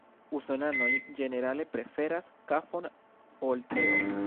Usonanoj ĝenerale preferas kafon ol teo.